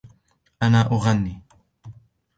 أنا أغني.